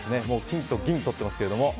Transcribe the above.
もう金と銀とってますけど。